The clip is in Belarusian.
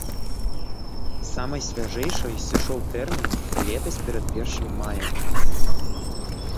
Самай свяжэйшай сышоў тэрмін летась перад першым маем.